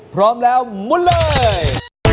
พร้อมแล้วมุนเลย